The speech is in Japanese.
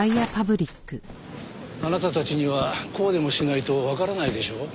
あなたたちにはこうでもしないとわからないでしょう？